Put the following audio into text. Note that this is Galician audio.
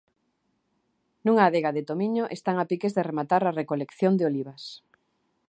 Nunha adega de Tomiño están a piques de rematar a recolección de olivas.